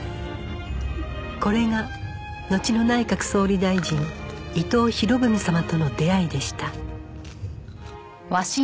これがのちの内閣総理大臣伊藤博文様との出会いでした